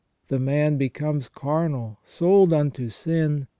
The man becomes "carnal, sold unto sin".